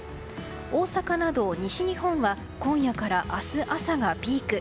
大阪など西日本は今夜から明日朝がピーク。